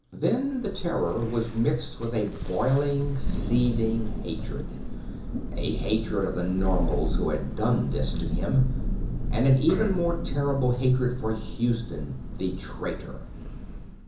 Then the terror was mixed with a boiling, seething hatred. A hatred of the Normals who had done this to him, and an even more terrible hatred for Houston, the "traitor."